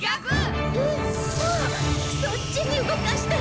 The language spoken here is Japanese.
そっちに動かしたら。